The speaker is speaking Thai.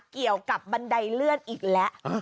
กับบันไดเลื่อนอีกแล้ว